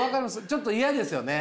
ちょっと嫌ですよね。